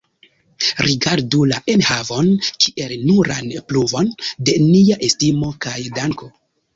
Rigardu la enhavon kiel nuran pruvon de nia estimo kaj danko.